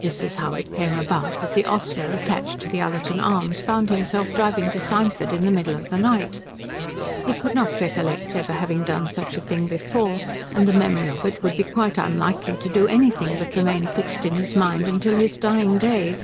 This is how it came about that the ostler attached to the Ullerton Arms found himself driving to Symford in the middle of the night. He could not recollect ever having done such a thing before, and the memory of it would be quite unlikely to do anything but remain fixed in his mind till his dying day.